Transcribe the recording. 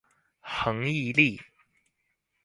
恆毅力